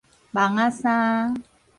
網仔衫